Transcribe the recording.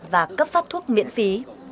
và cấp phát thuốc miễn phí